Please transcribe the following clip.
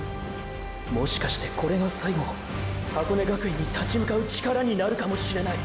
もしかしてこれが最後ーー箱根学園に立ち向かう力になるかもしれない！！